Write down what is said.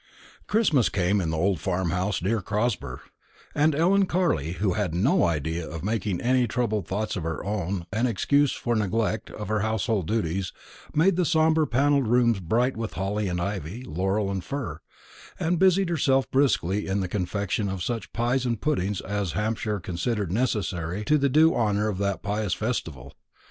Christmas came in the old farm house near Crosber; and Ellen Carley, who had no idea of making any troubled thoughts of her own an excuse for neglect of her household duties, made the sombre panelled rooms bright with holly and ivy, laurel and fir, and busied herself briskly in the confection of such pies and puddings as Hampshire considered necessary to the due honour of that pious festival.